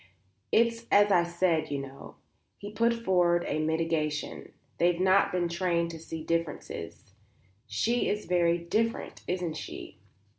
"It's as I said, you know," he put forward a mitigation; "they've not been trained to see differences; she is very different, isn't she?"